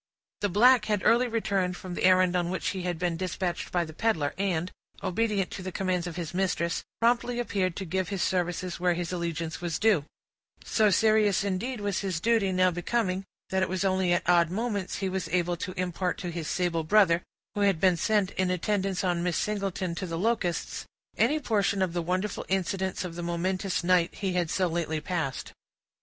The black had early returned from the errand on which he had been dispatched by the peddler, and, obedient to the commands of his mistress, promptly appeared to give his services where his allegiance was due; so serious, indeed, was his duty now becoming, that it was only at odd moments he was enabled to impart to his sable brother, who had been sent in attendance on Miss Singleton to the Locusts, any portion of the wonderful incidents of the momentous night he had so lately passed.